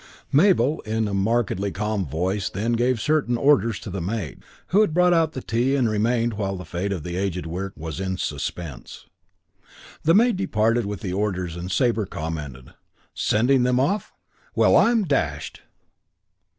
Mabel in a markedly calm voice then gave certain orders to the maid, who had brought out the tea and remained while the fate of the aged Wirks was in suspense. The maid departed with the orders and Sabre commented, "Sending them off? Well, I'm dashed!"